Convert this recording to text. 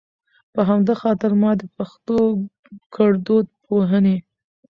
په همدا خاطر ما د پښتو ګړدود پوهنې